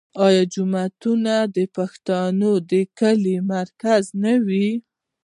آیا جومات د پښتنو د کلي مرکز نه وي؟